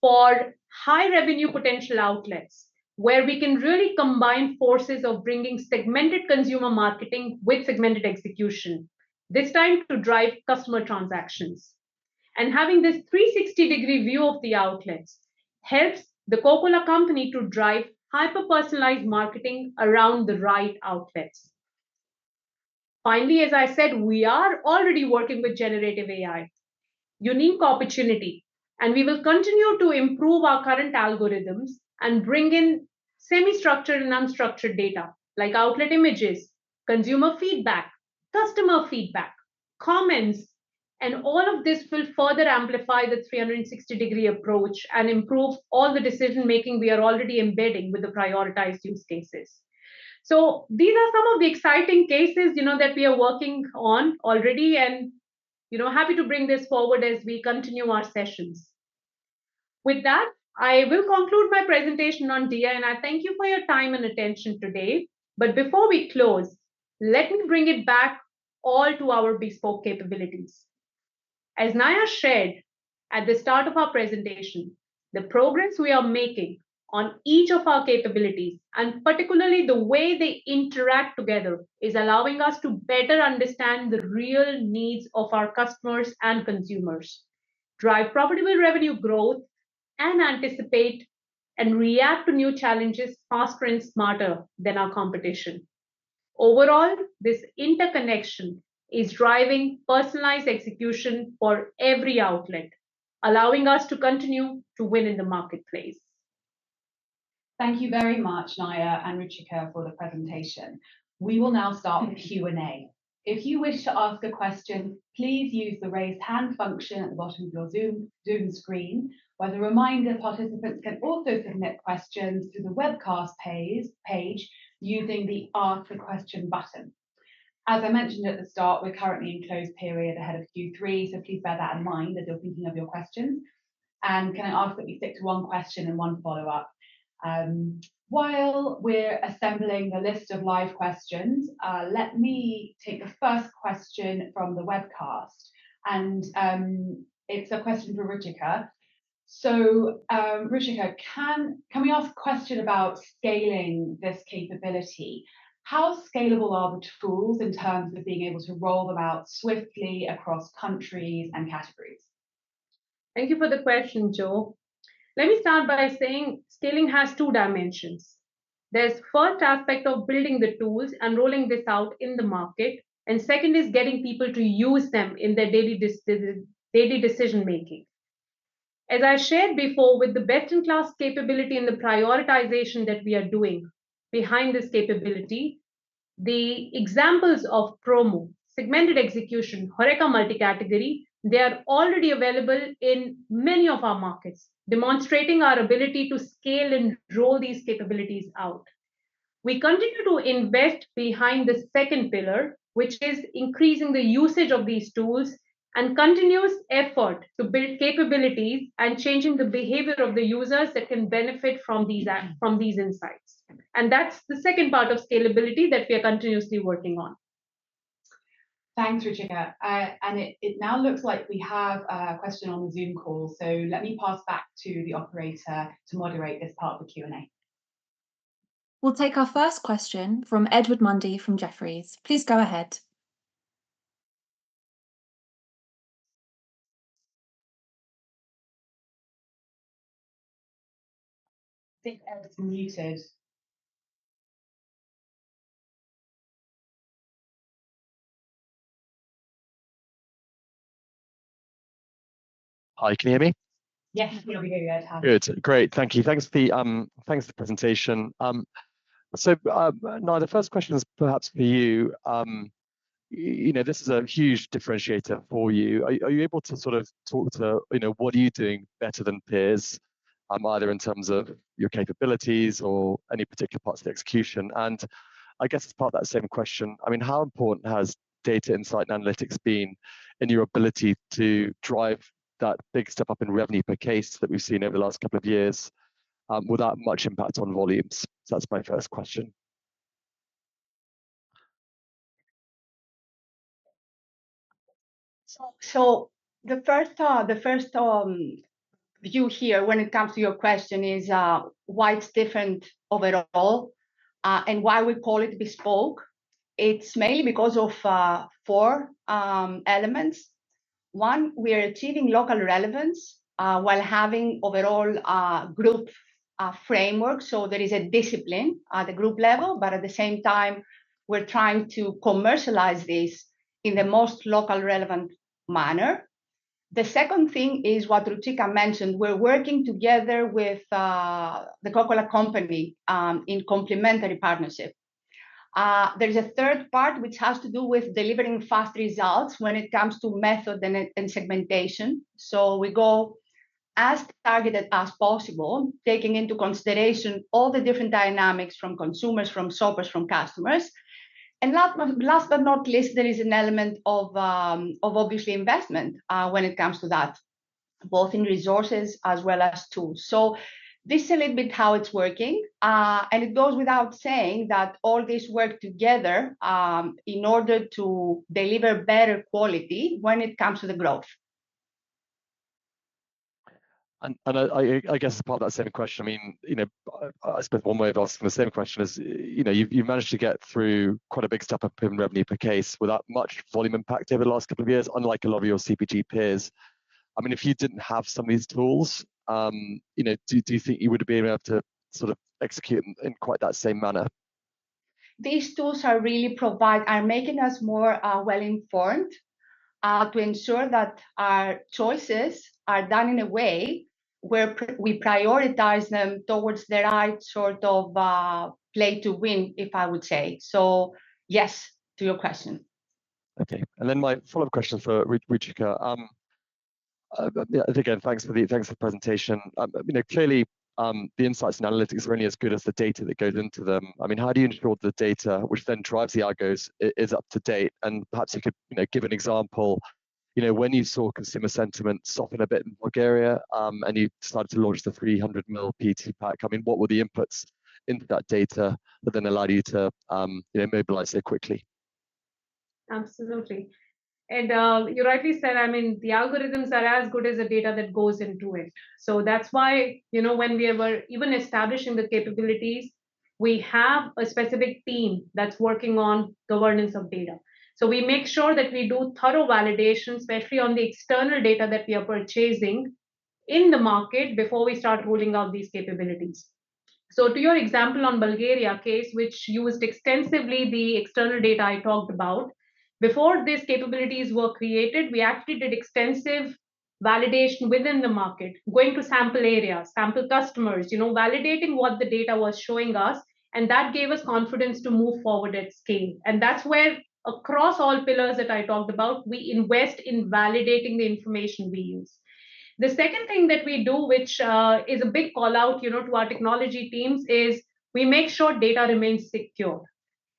[SPEAKER 4] for high-revenue potential outlets, where we can really combine forces of bringing segmented consumer marketing with segmented execution, this time to drive customer transactions. Having this 360-degree view of the outlets helps the Coca-Cola Company to drive hyper-personalized marketing around the right outlets. Finally, as I said, we are already working with generative AI, unique opportunity, and we will continue to improve our current algorithms and bring in semi-structured and unstructured data, like outlet images, consumer feedback, customer feedback, comments, and all of this will further amplify the 360-degree approach and improve all the decision-making we are already embedding with the prioritized use cases. So these are some of the exciting cases, you know, that we are working on already, and, you know, happy to bring this forward as we continue our sessions. With that, I will conclude my presentation on DIA, and I thank you for your time and attention today. But before we close, let me bring it back all to our bespoke capabilities. As Naya shared at the start of our presentation, the progress we are making on each of our capabilities, and particularly the way they interact together, is allowing us to better understand the real needs of our customers and consumers, drive profitable revenue growth, and anticipate and react to new challenges faster and smarter than our competition. Overall, this interconnection is driving personalized execution for every outlet, allowing us to continue to win in the marketplace.
[SPEAKER 2] Thank you very much, Naya and Ruchika, for the presentation. We will now start the Q&A. If you wish to ask a question, please use the Raise Hand function at the bottom of your Zoom screen. Well, a reminder, participants can also submit questions through the webcast page using the Ask a Question button. As I mentioned at the start, we're currently in closed period ahead of Q3, so please bear that in mind as you're thinking of your questions. And can I ask that you stick to one question and one follow-up? While we're assembling the list of live questions, let me take the first question from the webcast, and it's a question for Ruchika. Ruchika, can we ask a question about scaling this capability? How scalable are the tools in terms of being able to roll them out swiftly across countries and categories?
[SPEAKER 4] Thank you for the question, Jo. Let me start by saying scaling has two dimensions. There's first aspect of building the tools and rolling this out in the market, and second is getting people to use them in their daily decision making. As I shared before, with the best-in-class capability and the prioritization that we are doing behind this capability, the examples of promo, segmented execution, HoReCa multi-category, they are already available in many of our markets, demonstrating our ability to scale and roll these capabilities out. We continue to invest behind the second pillar, which is increasing the usage of these tools and continuous effort to build capabilities and changing the behavior of the users that can benefit from these from these insights. And that's the second part of scalability that we are continuously working on.
[SPEAKER 2] Thanks, Ruchika, and it now looks like we have a question on the Zoom call, so let me pass back to the operator to moderate this part of the Q&A.
[SPEAKER 1] We'll take our first question from Edward Mundy from Jefferies. Please go ahead.
[SPEAKER 2] I think Edward's muted.
[SPEAKER 6] Hi, can you hear me?
[SPEAKER 2] Yes, we can hear you now.
[SPEAKER 6] Good. Great. Thank you. Thanks for the presentation. Naya, the first question is perhaps for you. You know, this is a huge differentiator for you. Are you able to sort of talk to, you know, what are you doing better than peers, either in terms of your capabilities or any particular parts of the execution? And I guess as part of that same question, I mean, how important has data, insights and analytics been in your ability to drive that big step up in revenue per case that we've seen over the last couple of years, without much impact on volumes? That's my first question.
[SPEAKER 3] The first view here when it comes to your question is why it's different overall and why we call it bespoke. It's mainly because of four elements. One, we are achieving local relevance while having overall group framework. So there is a discipline at the group level, but at the same time, we're trying to commercialize this in the most local relevant manner. The second thing is what Ruchika mentioned, we're working together with the Coca-Cola Company in complementary partnership. There's a third part, which has to do with delivering fast results when it comes to method and segmentation. So we go as targeted as possible, taking into consideration all the different dynamics from consumers, from shoppers, from customers. And last but not least, there is an element of obviously investment when it comes to that, both in resources as well as tools. So this is a little bit how it's working. And it goes without saying that all this work together in order to deliver better quality when it comes to the growth.
[SPEAKER 6] I guess apart from that same question, I mean, you know, I suppose one way of asking the same question is, you know, you've managed to get through quite a big step up in revenue per case without much volume impact over the last couple of years, unlike a lot of your CPG peers. I mean, if you didn't have some of these tools, you know, do you think you would be able to sort of execute in quite that same manner?
[SPEAKER 3] These tools are really making us more well-informed to ensure that our choices are done in a way where we prioritize them towards the right sort of play to win, if I would say. So, yes to your question.
[SPEAKER 6] Okay. And then my follow-up question for Ruchika. Yeah, again, thanks for the presentation. You know, clearly, the insights and analytics are only as good as the data that goes into them. I mean, how do you ensure the data, which then drives the outcomes, is up to date? And perhaps you could, you know, give an example, you know, when you saw consumer sentiment soften a bit in Bulgaria, and you started to launch the 300 ml PET pack. I mean, what were the inputs into that data that then allowed you to, you know, mobilize so quickly?
[SPEAKER 4] Absolutely, and you rightly said, I mean, the algorithms are as good as the data that goes into it, so that's why, you know, when we were even establishing the capabilities, we have a specific team that's working on governance of data, so we make sure that we do thorough validation, especially on the external data that we are purchasing in the market, before we start rolling out these capabilities, so to your example on Bulgaria case, which used extensively the external data I talked about, before these capabilities were created, we actually did extensive validation within the market, going to sample areas, sample customers, you know, validating what the data was showing us, and that gave us confidence to move forward at scale, and that's where, across all pillars that I talked about, we invest in validating the information we use. The second thing that we do, which is a big call-out, you know, to our technology teams, is we make sure data remains secure.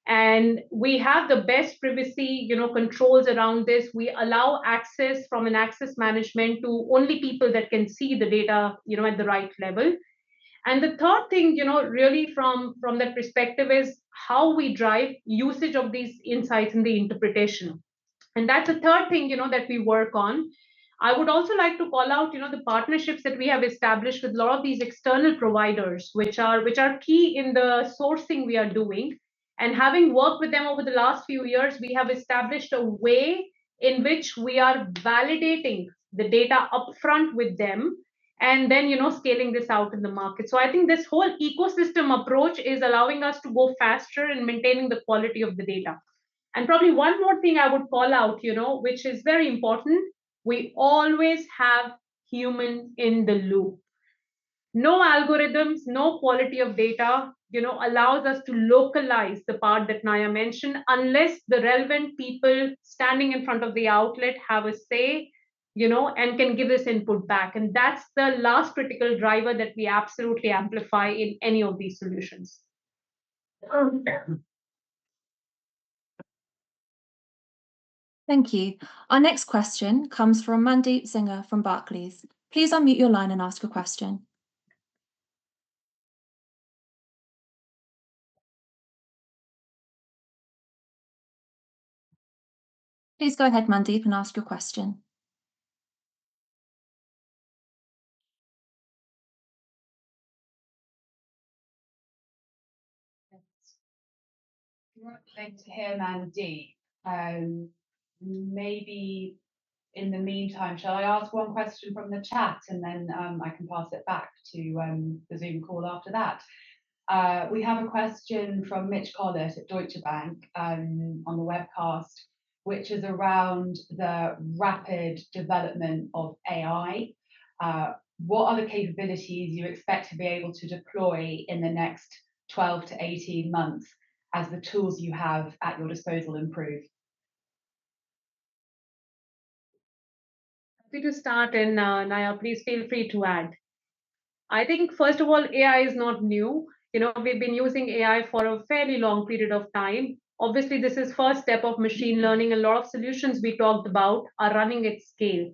[SPEAKER 4] And we have the best privacy, you know, controls around this. We allow access from an access management to only people that can see the data, you know, at the right level. And the third thing, you know, really from, from that perspective, is how we drive usage of these insights and the interpretation. And that's the third thing, you know, that we work on. I would also like to call out, you know, the partnerships that we have established with a lot of these external providers, which are, which are key in the sourcing we are doing. And having worked with them over the last few years, we have established a way in which we are validating the data upfront with them, and then, you know, scaling this out in the market. So I think this whole ecosystem approach is allowing us to go faster in maintaining the quality of the data. And probably one more thing I would call out, you know, which is very important, we always have humans in the loop. No algorithms, no quality of data, you know, allows us to localize the part that Naya mentioned, unless the relevant people standing in front of the outlet have a say, you know, and can give us input back. And that's the last critical driver that we absolutely amplify in any of these solutions.
[SPEAKER 1] Thank you. Our next question comes from Mandeep Singh from Barclays. Please unmute your line and ask a question. Please go ahead, Mandeep, and ask your question.
[SPEAKER 2] We're yet to hear Mandeep. Maybe in the meantime, shall I ask one question from the chat, and then, I can pass it back to the Zoom call after that? We have a question from Mitch Collett at Deutsche Bank, on the webcast, which is around the rapid development of AI. What other capabilities you expect to be able to deploy in the next twelve to eighteen months, as the tools you have at your disposal improve?
[SPEAKER 4] I'm going to start, and Naya, please feel free to add. I think, first of all, AI is not new. You know, we've been using AI for a fairly long period of time. Obviously, this is first step of machine learning. A lot of solutions we talked about are running at scale.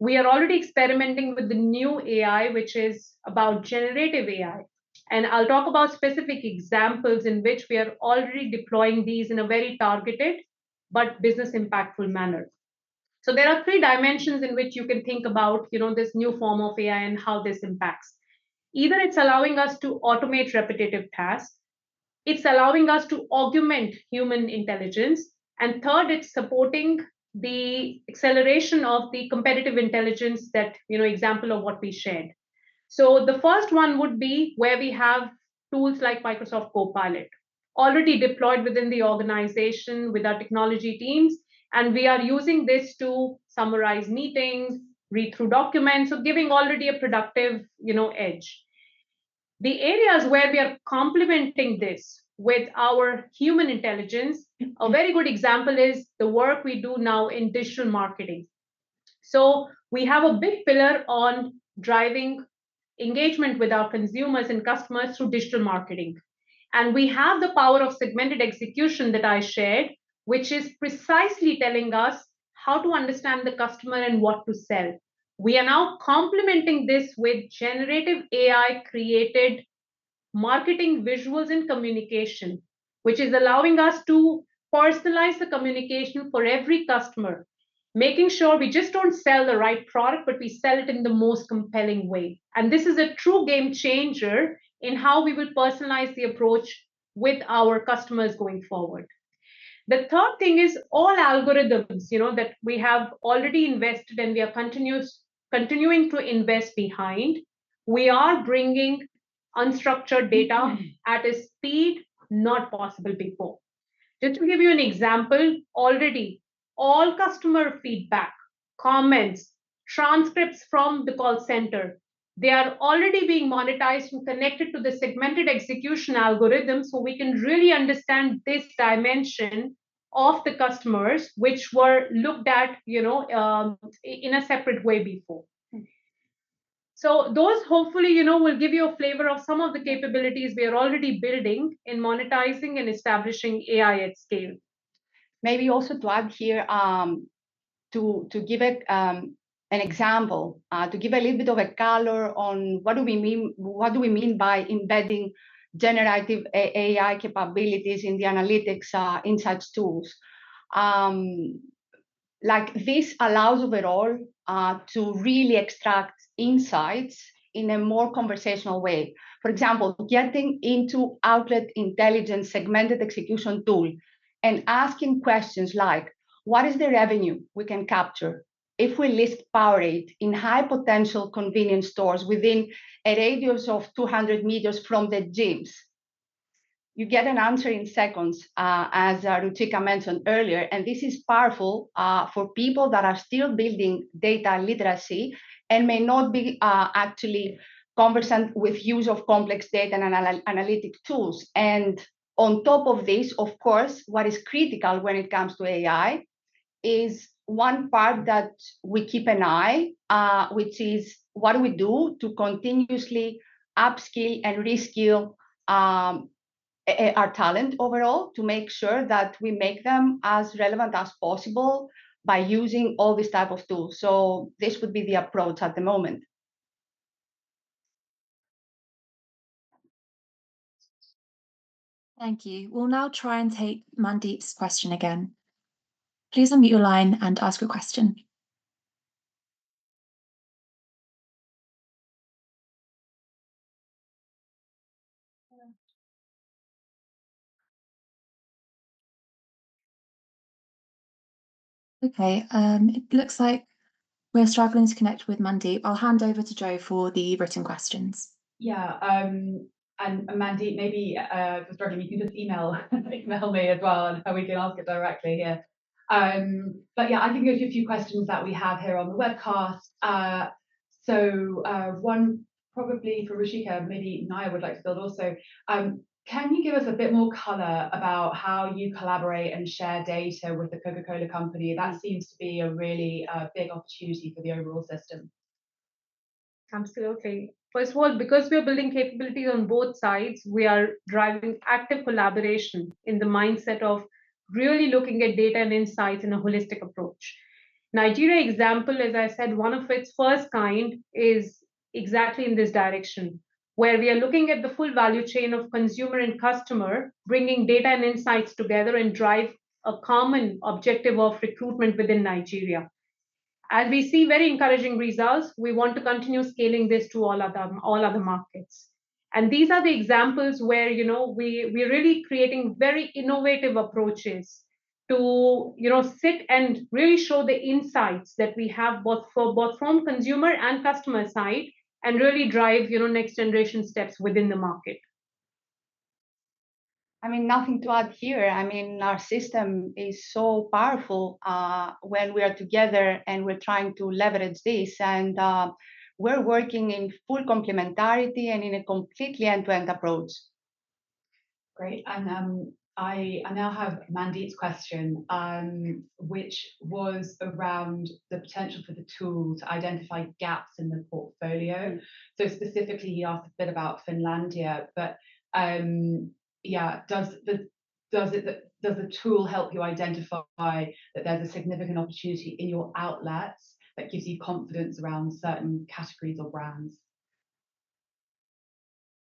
[SPEAKER 4] We are already experimenting with the new AI, which is about generative AI, and I'll talk about specific examples in which we are already deploying these in a very targeted but business impactful manner. So there are three dimensions in which you can think about, you know, this new form of AI and how this impacts. Either it's allowing us to automate repetitive tasks, it's allowing us to augment human intelligence, and third, it's supporting the acceleration of the competitive intelligence that, you know, example of what we shared. So the first one would be where we have tools like Microsoft Copilot already deployed within the organization with our technology teams, and we are using this to summarize meetings, read through documents, so giving already a productive, you know, edge. The areas where we are complementing this with our human intelligence, a very good example is the work we do now in digital marketing. So we have a big pillar on driving engagement with our consumers and customers through digital marketing. And we have the power of segmented execution that I shared, which is precisely telling us how to understand the customer and what to sell. We are now complementing this with generative AI-created marketing visuals and communication, which is allowing us to personalize the communication for every customer, making sure we just don't sell the right product, but we sell it in the most compelling way. And this is a true game changer in how we will personalize the approach with our customers going forward. The third thing is all algorithms, you know, that we have already invested and we are continuing to invest behind, we are bringing unstructured data at a speed not possible before. Just to give you an example, already all customer feedback, comments, transcripts from the call center, they are already being monetized and connected to the Segmented Execution algorithm, so we can really understand this dimension of the customers, which were looked at, you know, in a separate way before. So those hopefully, you know, will give you a flavor of some of the capabilities we are already building in monetizing and establishing AI at scale.
[SPEAKER 3] Maybe also to add here, to give it an example, to give a little bit of a color on what do we mean by embedding generative AI capabilities in the analytics insights tools. Like, this allows overall to really extract insights in a more conversational way. For example, getting into outlet intelligence segmented execution tool and asking questions like: What is the revenue we can capture if we list Powerade in high potential convenience stores within a radius of 200 m from the gyms? You get an answer in seconds, as Ruchika mentioned earlier, and this is powerful for people that are still building data literacy and may not be actually conversant with use of complex data and analytic tools. And on top of this, of course, what is critical when it comes to AI is one part that we keep an eye on, which is what do we do to continuously upskill and reskill our talent overall, to make sure that we make them as relevant as possible by using all these type of tools. So this would be the approach at the moment.
[SPEAKER 1] Thank you. We'll now try and take Mandeep's question again. Please unmute your line and ask your question. Okay, it looks like we're struggling to connect with Mandeep. I'll hand over to Jo for the written questions.
[SPEAKER 2] Yeah, and Mandeep, maybe for starting, you can just email me as well, and we can ask it directly. Yeah. Yeah, I can go through a few questions that we have here on the webcast. So, one probably for Ruchika, maybe Naya would like to build also. Can you give us a bit more color about how you collaborate and share data with the Coca-Cola Company? That seems to be a really big opportunity for the overall system.
[SPEAKER 4] Absolutely. First of all, because we are building capability on both sides, we are driving active collaboration in the mindset of really looking at data and insights in a holistic approach. Nigeria example, as I said, one of its first kind, is exactly in this direction, where we are looking at the full value chain of consumer and customer, bringing data and insights together, and drive a common objective of recruitment within Nigeria. And we see very encouraging results. We want to continue scaling this to all other markets. And these are the examples where, you know, we, we're really creating very innovative approaches to, you know, sit and really show the insights that we have, both for both from consumer and customer side, and really drive, you know, next generation steps within the market.
[SPEAKER 3] I mean, nothing to add here. I mean, our system is so powerful, when we are together, and we're trying to leverage this, and, we're working in full complementarity and in a completely end-to-end approach.
[SPEAKER 2] Great. And I now have Mandeep's question, which was around the potential for the tool to identify gaps in the portfolio. So specifically, he asked a bit about Finlandia, but does the tool help you identify that there's a significant opportunity in your outlets that gives you confidence around certain categories or brands?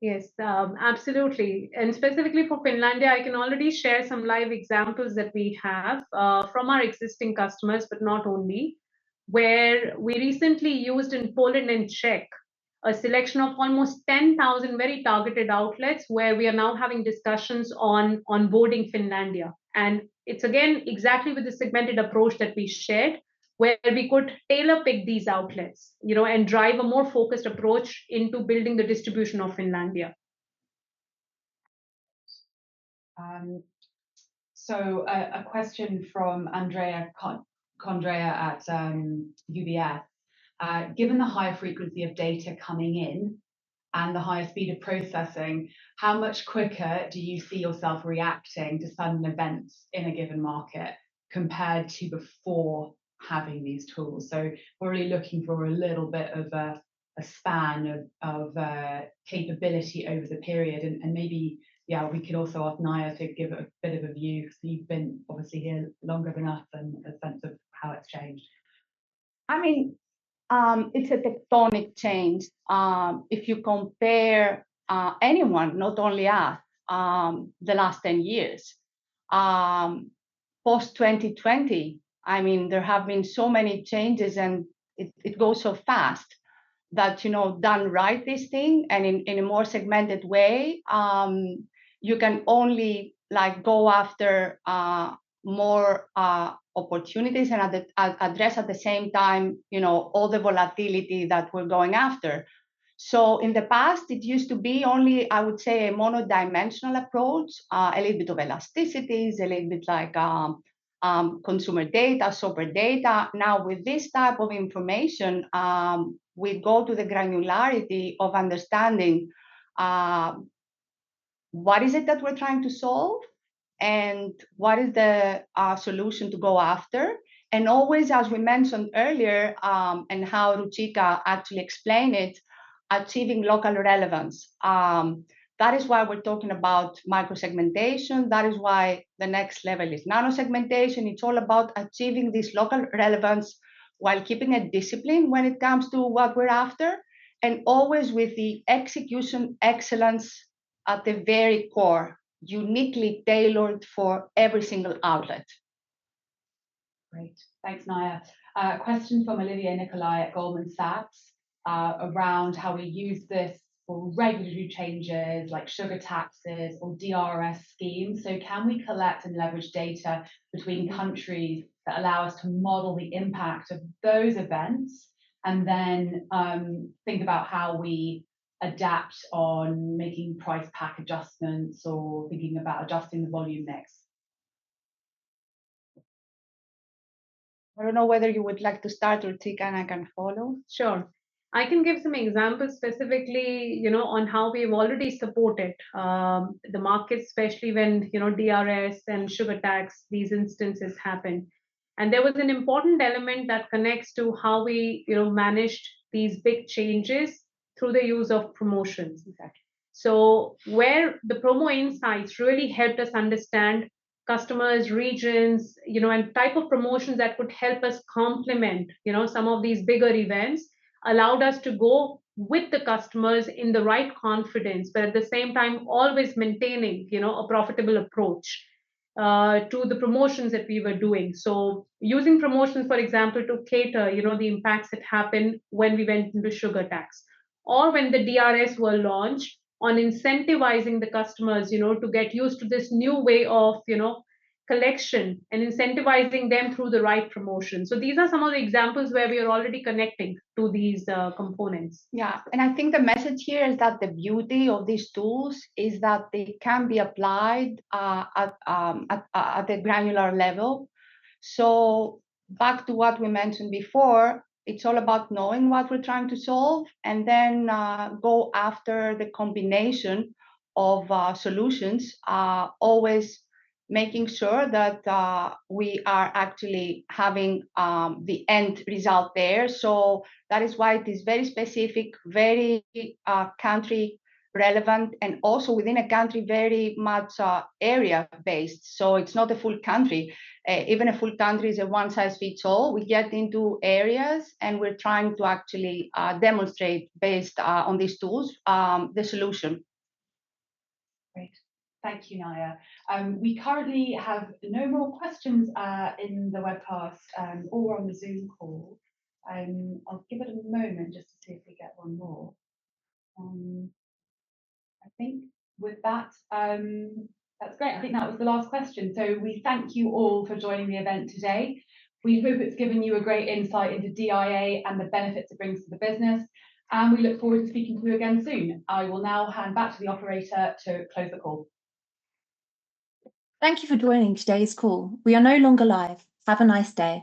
[SPEAKER 4] Yes, absolutely. And specifically for Finlandia, I can already share some live examples that we have from our existing customers, but not only, where we recently used in Poland and Czech a selection of almost 10,000 very targeted outlets, where we are now having discussions on onboarding Finlandia. And it's again, exactly with the segmented approach that we shared, where we could tailor pick these outlets, you know, and drive a more focused approach into building the distribution of Finlandia.
[SPEAKER 2] So, a question from Andreea Condrea at UBS. Given the high frequency of data coming in and the higher speed of processing, how much quicker do you see yourself reacting to sudden events in a given market compared to before having these tools? So we're really looking for a little bit of a span of capability over the period, and maybe, yeah, we could also ask Naya to give a bit of a view, because you've been obviously here longer than us, and a sense of how it's changed.
[SPEAKER 3] I mean, it's a tectonic change. If you compare anyone, not only us, the last ten years. Post-2020, I mean, there have been so many changes, and it goes so fast that, you know, done right, this thing, and in a more segmented way, you can only, like, go after more opportunities and at the address at the same time, you know, all the volatility that we're going after. So in the past, it used to be only, I would say, a mono-dimensional approach, a little bit of elasticities, a little bit like, consumer data, sales data. Now, with this type of information, we go to the granularity of understanding, what is it that we're trying to solve and what is the solution to go after, and always, as we mentioned earlier, and how Ruchika actually explained it, achieving local relevance. That is why we're talking about micro-segmentation. That is why the next level is nano-segmentation. It's all about achieving this local relevance while keeping a discipline when it comes to what we're after, and always with the execution excellence at the very core, uniquely tailored for every single outlet.
[SPEAKER 2] Great. Thanks, Naya. A question from Olivier Nicolai at Goldman Sachs, around how we use this for regulatory changes, like sugar taxes or DRS schemes. So can we collect and leverage data between countries that allow us to model the impact of those events, and then, think about how we adapt on making price pack adjustments or thinking about adjusting the volume next?
[SPEAKER 3] I don't know whether you would like to start, Ruchika, and I can follow.
[SPEAKER 4] Sure. I can give some examples, specifically, you know, on how we've already supported the market, especially when, you know, DRS and sugar tax, these instances happened, and there was an important element that connects to how we, you know, managed these big changes through the use of promotions, in fact, so where the promo insights really helped us understand customers, regions, you know, and type of promotions that would help us complement, you know, some of these bigger events, allowed us to go with the customers in the right confidence, but at the same time, always maintaining, you know, a profitable approach to the promotions that we were doing. Using promotions, for example, to cater, you know, the impacts that happened when we went into sugar tax or when the DRS were launched on incentivizing the customers, you know, to get used to this new way of, you know, collection and incentivizing them through the right promotion. These are some of the examples where we are already connecting to these components.
[SPEAKER 3] Yeah, and I think the message here is that the beauty of these tools is that they can be applied at the granular level. So back to what we mentioned before, it's all about knowing what we're trying to solve, and then go after the combination of solutions, always making sure that we are actually having the end result there. So that is why it is very specific, very country relevant and also within a country, very much area-based. So it's not a full country. Even a full country is a one-size-fits-all. We get into areas, and we're trying to actually demonstrate based on these tools the solution.
[SPEAKER 2] Great. Thank you, Naya. We currently have no more questions in the webcast or on the Zoom call. I'll give it a moment just to see if we get one more. I think with that, that's great. I think that was the last question. So we thank you all for joining the event today. We hope it's given you a great insight into DIA and the benefits it brings to the business, and we look forward to speaking to you again soon. I will now hand back to the operator to close the call.
[SPEAKER 1] Thank you for joining today's call. We are no longer live. Have a nice day.